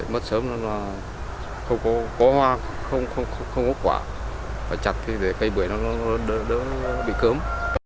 mất sớm nó là không có hoa không có quả phải chặt để cây bưởi nó đỡ bị cơm